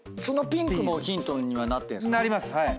そのピンクもヒントにはなってんすか？